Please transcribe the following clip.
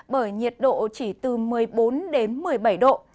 bởi nhiệt độ chỉ từ một mươi bốn đến một mươi bảy độ